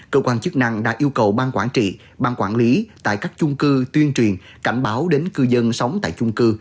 cơ quan chức năng đã yêu cầu bang quản trị bang quản lý tại các chung cư tuyên truyền cảnh báo đến cư dân sống tại chung cư